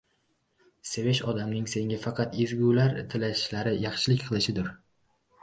Sevish odamning senga faqat ezgulr tilashi, yaxshilik qilishidir.